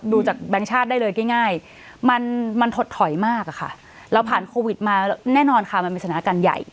ดูจากแบงค์ชาติได้เลยง่ายมันถดถอยมากอะค่ะเราผ่านโควิดมาแน่นอนค่ะมันเป็นสถานการณ์ใหญ่